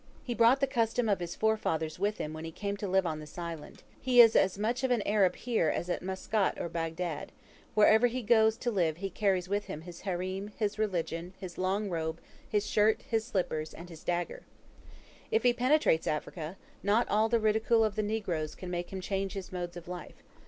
He brought the custom of his forefathers with him when he came to live on this island. He is as much of an Arab here as at Muscat or Bagdad; wherever he goes to live he carries with him his harem, his religion, his long robe, his shirt, his slippers, and his dagger. If he penetrates Africa, not all the ridicule of the negroes can make him change his modes of life.